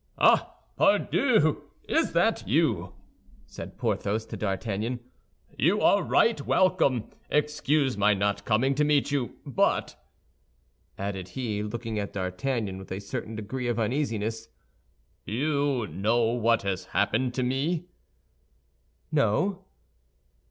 "Ah, pardieu! Is that you?" said Porthos to D'Artagnan. "You are right welcome. Excuse my not coming to meet you; but," added he, looking at D'Artagnan with a certain degree of uneasiness, "you know what has happened to me?" "No."